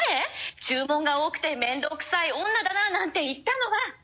注文が多くて面倒くさい女だな、なんて言ったのは」